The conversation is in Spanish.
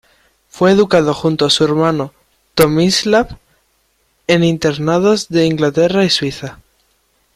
Fue educado junto a su hermano Tomislav en internados de Inglaterra y Suiza.